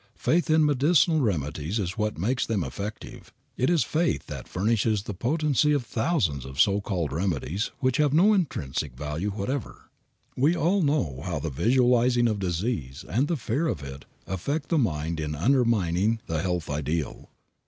Faith in medicinal remedies is what makes them effective. It is faith that furnishes the potency of thousands of so called remedies, which have no intrinsic value whatever. We all know how the visualizing of disease and the fear of it affect the mind in undermining the health ideal.